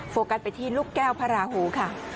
โฟกัสไปที่ลูกแก้วพระราหูค่ะ